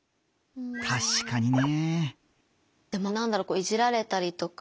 たしかにね。